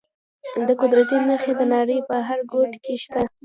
د قدرت نښې د نړۍ په هر ګوټ کې شته.